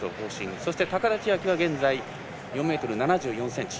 そして高田千明は現在４ｍ７４ｃｍ。